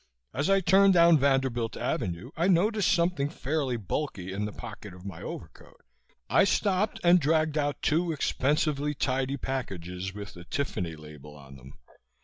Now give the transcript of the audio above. As I turned down Vanderbilt Avenue, I noticed something fairly bulky in the pocket of my overcoat. I stopped and dragged out two expensively tidy packages, with the Tiffany label on them.